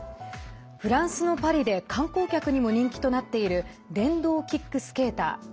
フランスのパリで観光客にも人気となっている電動キックスケーター。